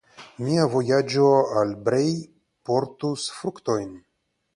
Mia vojaĝo al Brej portus fruktojn.